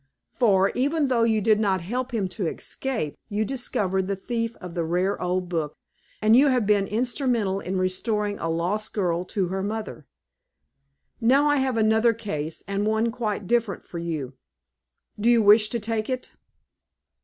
For, even though you did help him to escape, you discovered the thief of the rare old book, and you have been instrumental in restoring a lost girl to her mother. Now, I have another case and one quite different for you. Do you wish to take it?"